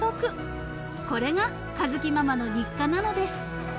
［これが佳月ママの日課なのです］